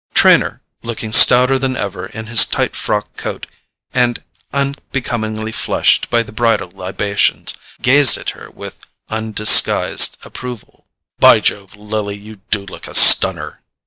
Trenor, looking stouter than ever in his tight frock coat, and unbecomingly flushed by the bridal libations, gazed at her with undisguised approval. "By Jove, Lily, you do look a stunner!"